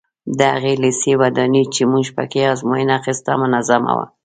د هغه لېسې ودانۍ چې موږ په کې ازموینه اخیسته منظمه وه.